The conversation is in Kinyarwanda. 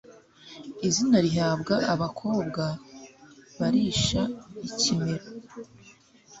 izina rihabwa abakobwa barisha ikimero.